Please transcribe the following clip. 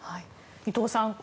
伊藤さん